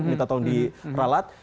minta tolong diralat